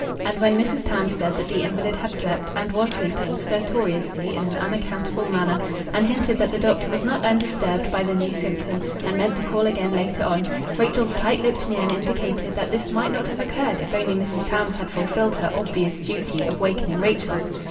And when Mrs. Tams said that the invalid had slept, and was sleeping, stertorously in an unaccountable manner, and hinted that the doctor was not undisturbed by the new symptom and meant to call again later on, Rachel's tight lipped mien indicated that this might not have occurred if only Mrs. Tams had fulfilled her obvious duty of wakening Rachel.